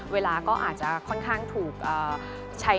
เวลาก็อาจจะค่อนข้างถูกใช้